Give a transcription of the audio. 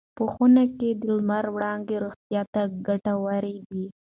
په خونه کې د لمر وړانګې روغتیا ته ګټورې دي.